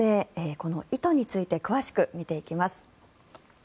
この意図について詳しく見ていきます。